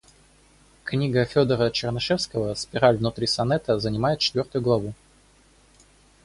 Книга Федора о Чернышевском, - спираль внутри сонета, - занимает четвертую главу.